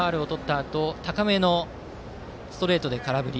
あと高めのストレートで空振り。